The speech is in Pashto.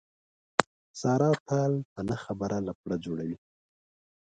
ساره تل په نه خبره لپړه جوړوي.